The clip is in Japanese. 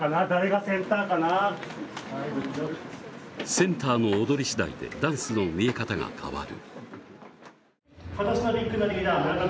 センターの踊り次第でダンスの見え方が変わる。